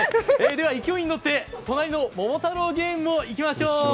では勢いに乗って隣のももたろうゲームもいきましょう。